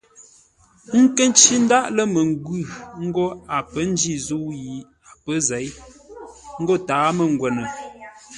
Ə́ nkə̂ ncí ndáʼ lə́ məngwʉ̂ ńgó a pə̌ njî zə̂u a pə̌ zěi; ńgó tǎa mə́ngwə́nə.